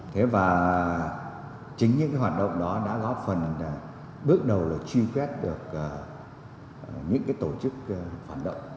thế và chính những hoạt động đó đã góp phần bước đầu là truy phép được những tổ chức phản động